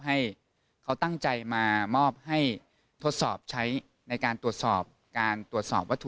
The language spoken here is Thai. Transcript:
ให้เขาตั้งใจมามอบให้ทดสอบใช้ในการตรวจสอบการตรวจสอบวัตถุ